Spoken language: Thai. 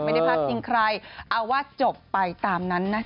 ไม่ได้พูดถึงใครเอาว่าจบไปตามนั้นนะ